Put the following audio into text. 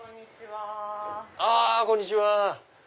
あこんにちは！